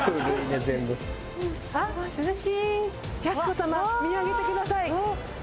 靖子様見上げてください。